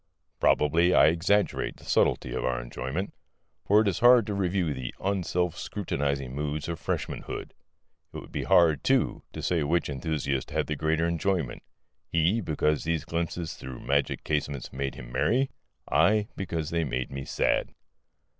Probably I exaggerate the subtlety of our enjoyment, for it is hard to review the unself scrutinizing moods of freshmanhood. It would be hard, too, to say which enthusiast had the greater enjoyment: he, because these glimpses through magic casements made him merry; I, because they made me sad.